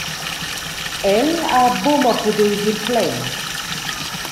El ha buca mo pudiu sur Flem.